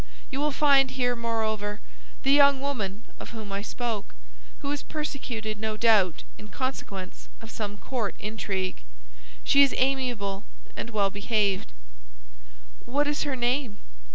You will find here, moreover, the young woman of whom I spoke, who is persecuted, no doubt, in consequence of some court intrigue. She is amiable and well behaved." "What is her name?"